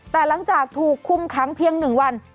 แต่หลังจากถูกคุมขังเพียง๑วัน